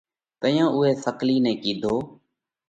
تئيون اُوئہ سڪلِي نئہ ڪِيڌو: